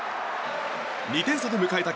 ２点差で迎えた